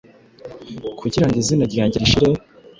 Kugira ngo izina ryanjye rishire,